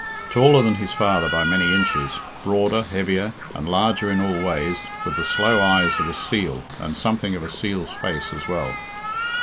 Taller than his father by many inches, broader, heavier, and larger in all ways, with the slow eyes of a seal and something of a seal's face as well.